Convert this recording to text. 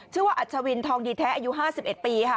ว่าอัชวินทองดีแท้อายุ๕๑ปีค่ะ